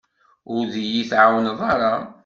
Ur d-iyi-tɛawneḍ ara.